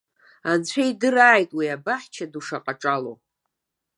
Анцәа идырааит уи абаҳча ду шаҟа аҿало!